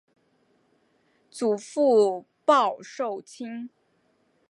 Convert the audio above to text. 祖父鲍受卿。